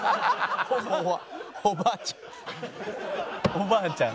おばあちゃん。